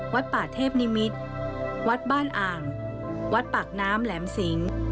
วัดป่าเทพนิมิตรวัดบ้านอ่างวัดปากน้ำแหลมสิง